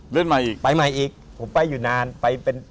รุ่นใหม่อีกไปใหม่อีกผมไปอยู่นานไปเป็น